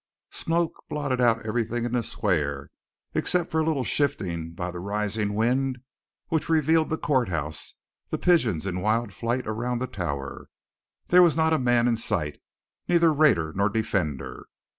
Smoke blotted out everything in the square, except for a little shifting by the rising wind which revealed the courthouse, the pigeons in wild flight around the tower. There was not a man in sight, neither raider nor defender.